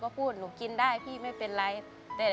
คุณหมอบอกว่าเอาไปพักฟื้นที่บ้านได้แล้ว